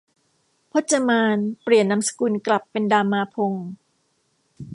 พจมานเปลี่ยนนามสกุลกลับเป็นดามาพงศ์